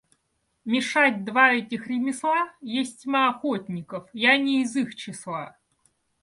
Мешать два эти ремесла есть тьма охотников, я не из их числа.